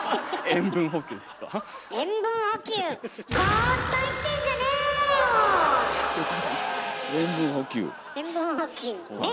塩分補給ね。